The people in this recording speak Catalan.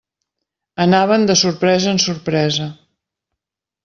Anaven de sorpresa en sorpresa.